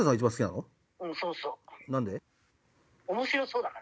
何で？